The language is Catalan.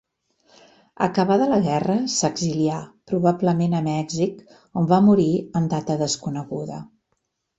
Acabada la guerra, s'exilià, probablement a Mèxic, on va morir en data desconeguda.